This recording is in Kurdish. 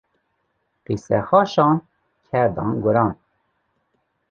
Qîsexweşan ker dan guran.